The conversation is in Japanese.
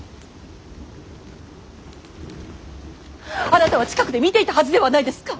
あなたは近くで見ていたはずではないですか！